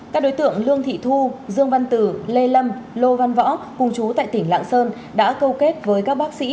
các đối tượng lương thị thu dương văn tử lê lâm lô văn võ cùng chú tại tỉnh lạng sơn đã câu kết với các bác sĩ